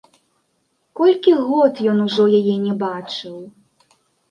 Колькі год ён ужо яе не бачыў!